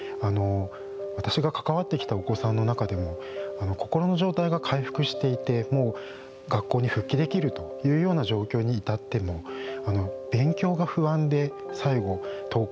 私が関わってきたお子さんの中でも心の状態が回復していてもう学校に復帰できるというような状況に至っても勉強が不安で最後登校